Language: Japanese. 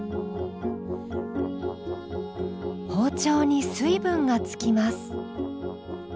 包丁に水分がつきます。